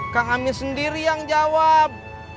kang amin sendiri yang jawab